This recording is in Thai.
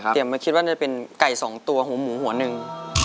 เรียกมานี่มันจะเป็นไก่สองตัวหูมหมูหัวหนึ่ง